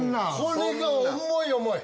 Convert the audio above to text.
これが重い重い。